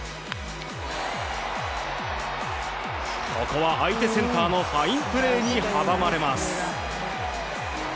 ここは相手センターのファインプレーに阻まれます。